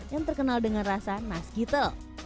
yang terkenal dengan rasa nas gitel